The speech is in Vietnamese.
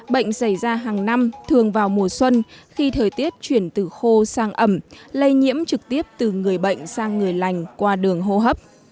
bệnh xảy ra hàng năm thường vào mùa xuân khi thời tiết chuyển từ khô sang ẩm lây nhiễm trực tiếp từ người bệnh sang người lành qua đường hô hấp